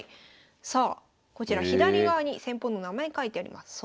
さあこちら左側に戦法の名前書いてあります。